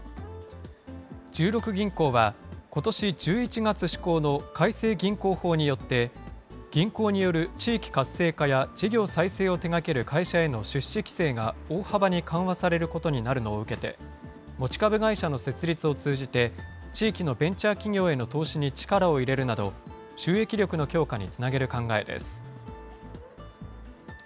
十六銀行はことし１１月施行の改正銀行法によって、銀行による地域活性化や事業再生を手がける会社への出資規制が大幅に緩和されることになるのを受けて、持ち株会社の設立を通じて、地域のベンチャー企業への投資に力を入れるなど、収益力の強化につなげる考えです。